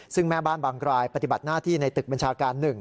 ซึ่งแม่บ้านบางรายปฏิบัติหน้าที่ในตึกบัญชาการ๑